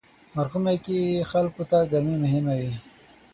مرغومی کې خلکو ته ګرمي مهمه وي.